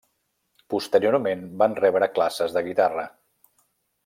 Posteriorment va rebre classes de guitarra.